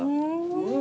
うん！